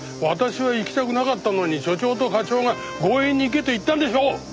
私は行きたくなかったのに署長と課長が強引に行けと言ったんでしょ！